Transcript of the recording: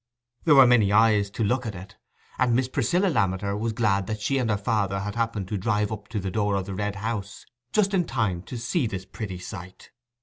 There were many eyes to look at it, and Miss Priscilla Lammeter was glad that she and her father had happened to drive up to the door of the Red House just in time to see this pretty sight.